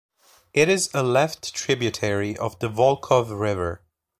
It is a left tributary of the Volkhov River.